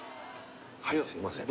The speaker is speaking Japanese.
はいすいません